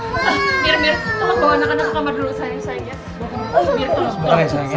mir mir kita bawa anak ang ke kamar dulu sayang ya